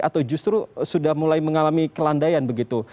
atau justru sudah mulai mengalami kelandaian begitu